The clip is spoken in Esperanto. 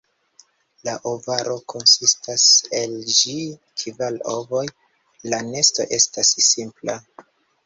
La ovaro konsistas el ĝis kvar ovoj, la nesto estas simpla.